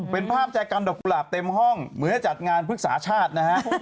เป็นภาพแจกันดอกกุหลาบเต็มห้องเหมือนจะจัดงานภึกษาชาตินะฮะ